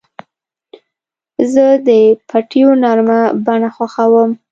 زه د پټیو نرمه بڼه خوښوم.